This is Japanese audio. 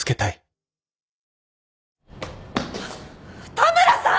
田村さん